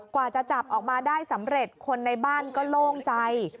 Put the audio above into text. กว่าจะจับออกมาได้สำเร็จคนในบ้านก็โล่งใจ